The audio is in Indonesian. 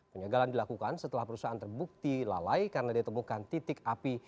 penyegalan dilakukan setelah perusahaan terbukti lalai karena ditemukan titik api